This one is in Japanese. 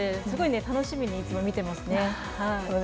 すごい楽しみにいつも見てますね。